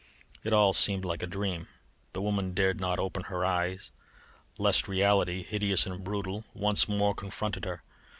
It all seemed like a dream. The woman dared not open her eyes lest reality hideous and brutal once more confronted her.